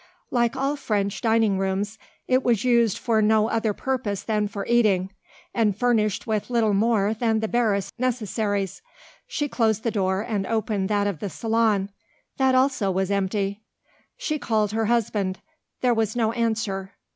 Like all French dining rooms, it was used for no other purpose than for eating, and furnished with little more than the barest necessaries. She closed the door and opened that of the salon: that also was empty. She called her husband: there was no answer.